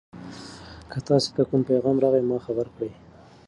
که تاسي ته کوم پیغام راغی ما خبر کړئ.